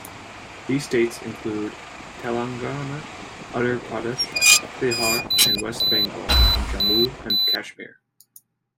These states include Telangana, Uttar Pradesh, Bihar, and West Bengal, and Jammu and Kashmir.